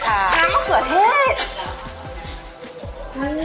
น้ำมะเขือเทศ